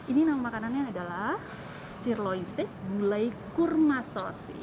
ini nama makanannya adalah sirloin steak gulai kurma sauce